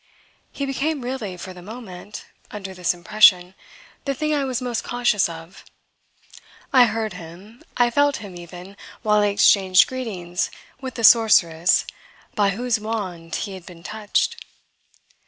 He became really, for the moment, under this impression, the thing I was most conscious of; I heard him, I felt him even while I exchanged greetings with the sorceress by whose wand he had been touched.